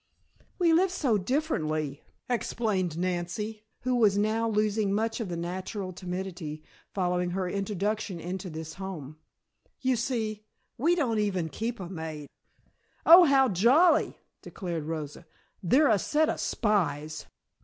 "We live so differently," explained Nancy, who was now losing much of the natural timidity following her introduction into this home. "You see, we don't even keep a maid " "Oh, how jolly!" declared Rosa. "They're a set of spies."